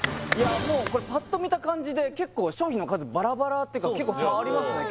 もうこれパッと見た感じで結構商品の数バラバラっていうか結構差ありますね